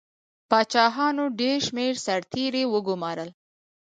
پاچاهانو ډېر شمېر سرتیري وګمارل.